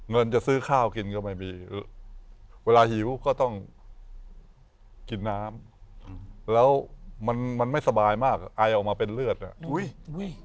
เงินจะซื้อข้าวกินก็ไม่มีเวลาหิวก็ต้องกินน้ำแล้วมันมันไม่สบายมากไอออกมาเป็นเลือดอ่ะอุ้ย